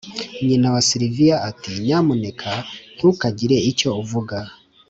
nyina wa sylvia ati 'nyamuneka ntukagire icyo uvuga